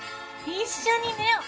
一緒に寝よう。